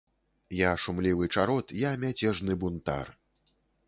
Я шумлівы чарот, я мяцежны бунтар.